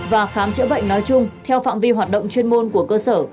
và khám chữa bệnh nói chung theo phạm vi hoạt động chuyên môn của cơ sở